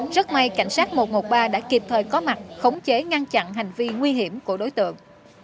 rất may cảnh sát một trăm một mươi ba đã kịp thời có mặt khống chế ngăn chặn hành vi nguy hiểm của đối tượng